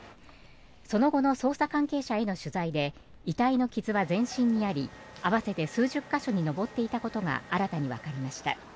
その後の捜査関係者への取材で遺体の傷は全身にあり合わせて数十か所に上っていたことが新たにわかりました。